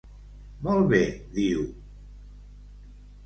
Molt bé diu!